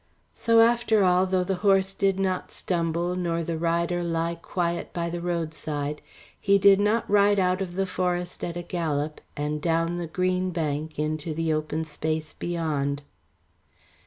So after all, though the horse did not stumble, nor the rider lie quiet by the roadside, he did not ride out of the forest at a gallop, and down the green bank into the open space beyond.